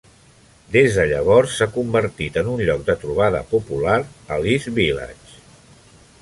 Des de llavors, s"ha convertit en un lloc de trobada popular a l"East Village.